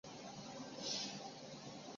佩盖罗勒德莱斯卡莱特。